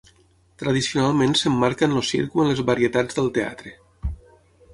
Tradicionalment s'emmarca en el circ o en les varietats del teatre.